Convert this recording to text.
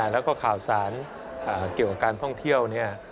แล้วก็ข่าวสารเกี่ยวกับการท่องเที่ยวเนี่ย